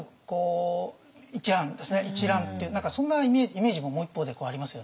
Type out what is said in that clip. とにかく何かそんなイメージももう一方でありますよね。